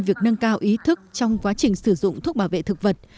việc nâng cao ý thức trong quá trình sử dụng thuốc bảo vệ thực vật